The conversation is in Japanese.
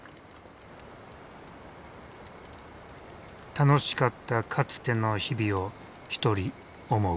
楽しかったかつての日々を一人思う。